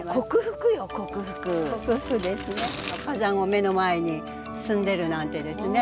火山を目の前に住んでるなんてですね